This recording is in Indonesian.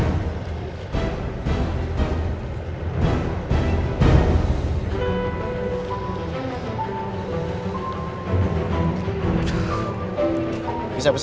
kayaknya gak bisa deh mas